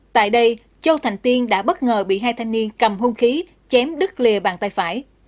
tại đây châu thành tiên đã bất ngờ bị hai thanh niên cầm hung khí chém đứt lìa bàn tay phải